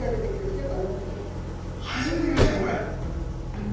初めて見ましたよこれ！